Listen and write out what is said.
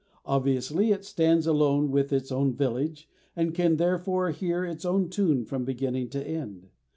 Obviously it stands alone with its own village, and can therefore hear its own tune from beginning to end.